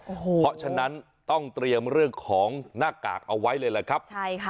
เพราะฉะนั้นต้องเตรียมเรื่องของหน้ากากเอาไว้เลยแหละครับใช่ค่ะ